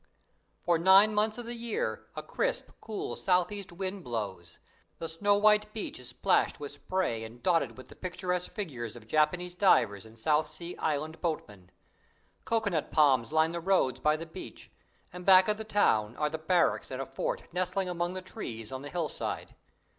For nine months of the year a crisp, cool south east wind blows, the snow white beach is splashed with spray and dotted with the picturesque figures of Japanese divers and South Sea Island boatmen. Coco nut palms line the roads by the beach, and back of the town are the barracks and a fort nestling among the trees on the hillside.